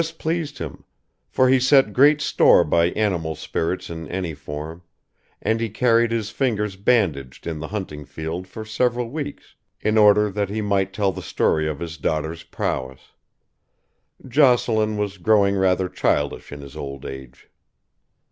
This pleased him; for he set great store by animal spirits in any form, and he carried his fingers bandaged in the hunting field for several weeks in order that he might tell the story of his daughter's prowess. Jocelyn was growing rather childish in his old age.